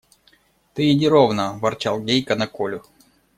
Ты иди ровно, – ворчал Гейка на Колю.